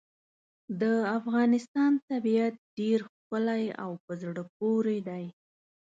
د افغانستان طبیعت ډېر ښکلی او په زړه پورې دی.